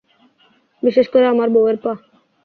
বিশেষ করে, আমার বউয়ের পা।